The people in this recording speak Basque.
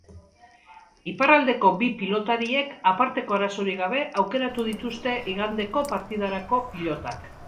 Iparraldeko bi pilotariek aparteko arazorik gabe aukeratu dituzte igandeko partidarako pilotak.